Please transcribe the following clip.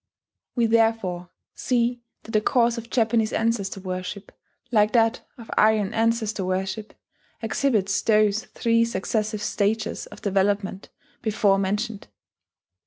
We therefore see that the course of Japanese ancestor worship, like that of Aryan ancestor worship, exhibits those three successive stages of development before mentioned.